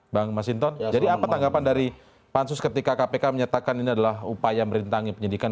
bang masinton jadi apa tanggapan dari pansus ketika kpk menyatakan ini adalah upaya merintangi penyidikan